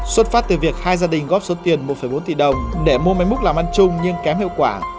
xuất phát từ việc hai gia đình góp số tiền một bốn tỷ đồng để mua máy múc làm ăn chung nhưng kém hiệu quả